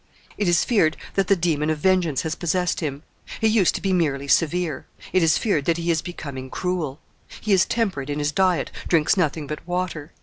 It is feared that the demon of vengeance has possessed him; he used to be merely severe; it is feared that he is becoming cruel. He is temperate in his diet; drinks nothing but water.